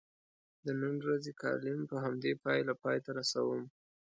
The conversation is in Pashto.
د نن ورځې کالم په همدې پایله پای ته رسوم.